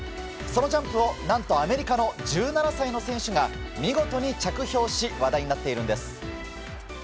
そのジャンプを何とアメリカの１７歳の選手が見事に着氷し話題になっているんです。